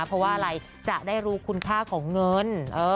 เพราะว่าอะไรจะได้รู้คุณค่าของเงิน